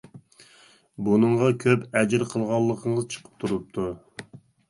بۇنىڭغا كۆپ ئەجىر قىلغانلىقىڭىز چىقىپ تۇرۇپتۇ.